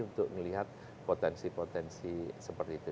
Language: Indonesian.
untuk melihat potensi potensi seperti itu